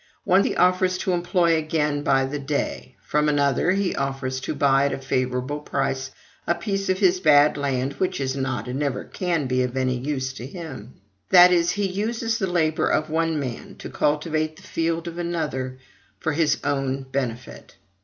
One he offers to employ again by the day; from another he offers to buy at a favorable price a piece of his bad land, which is not, and never can be, of any use to him: that is, he uses the labor of one man to cultivate the field of another for his own benefit.